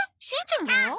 しんちゃんは？